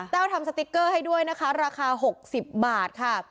ทำสติ๊กเกอร์ให้ด้วยนะคะราคา๖๐บาทค่ะ